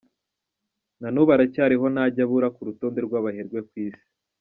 Na n’ubu aracyariho, ntajya abura ku rutonde rw’abaherwe ku isi.